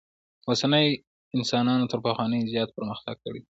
اوسني انسانانو تر پخوانیو زیات پرمختک کړی دئ.